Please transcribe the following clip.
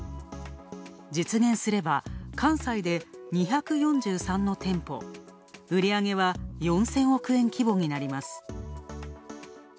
実現すれば関西で２４３の店舗、売り上げは４０００億円規模になります。